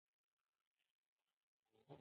زه خپل چاپېریال پاک ساتم.